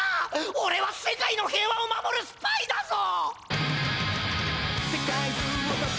おれは世界の平和を守るスパイだぞ！